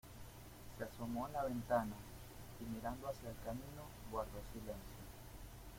se asomó a la ventana, y mirando hacia el camino guardó silencio.